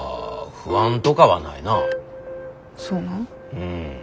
うん。